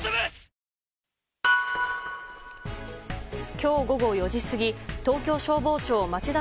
今日午後４時過ぎ東京消防庁町田